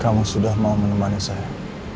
kamu sudah mau menemani saya